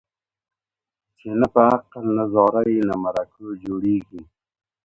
چي نه په عقل نه زارۍ نه مرکو جوړیږي